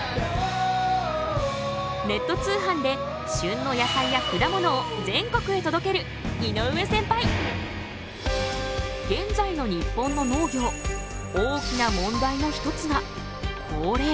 ネット通販で旬の野菜や果物を全国へ届ける現在の日本の農業大きな問題の一つが高齢化。